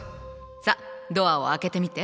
さっドアを開けてみて。